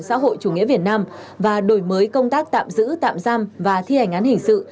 xã hội chủ nghĩa việt nam và đổi mới công tác tạm giữ tạm giam và thi hành án hình sự